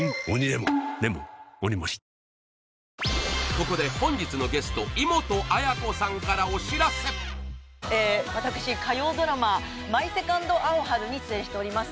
ここで本日のゲスト私火曜ドラマ「マイ・セカンド・アオハル」に出演しております